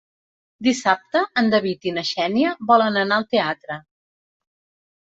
Dissabte en David i na Xènia volen anar al teatre.